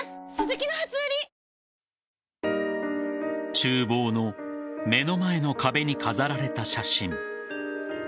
厨房の目の前の壁に飾られた写真。